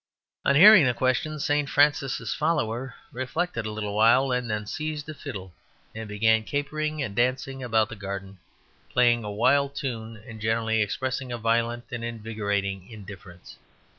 On hearing the question St. Francis's follower reflected a little while and then seized a fiddle and began capering and dancing about the garden, playing a wild tune and generally expressing a violent and invigorating indifference.